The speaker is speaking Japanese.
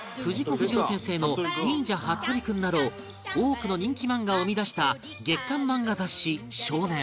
不二雄先生の『忍者ハットリくん』など多くの人気漫画を生み出した月刊漫画雑誌『少年』